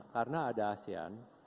karena ada asean